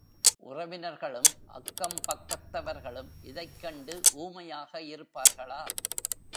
உறவினர்களும் அக்கம் பக்கத்தவர்களும் இதைக் கண்டு ஊமையாக இருப்பார்களா?